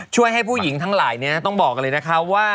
ช่วยให้ผู้หญิงทั้งหลายเนี่ยนะต้องบอกกันเลยนะคะว่า